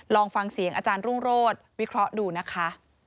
ลองฟังเสียงอาจารย์รุ่งโรธวิเคราะห์ดูนะคะ